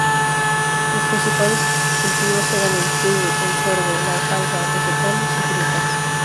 Los principales cultivos eran el trigo, el sorgo, la alfalfa, vegetales y frutas.